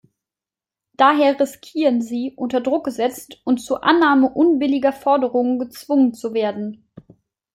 Daher riskieren sie, unter Druck gesetzt und zur Annahme unbilliger Forderungen gezwungen zu werden.